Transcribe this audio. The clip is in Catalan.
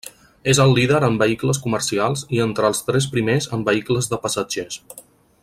És el líder en vehicles comercials i entre els tres primers en vehicles de passatgers.